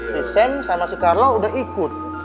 si sam sama si carlo udah ikut